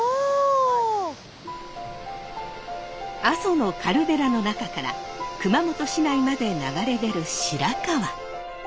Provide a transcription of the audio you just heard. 阿蘇のカルデラの中から熊本市内まで流れ出る白川。